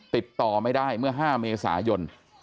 ติดต่อไม่ได้เมื่อ๕เมษายน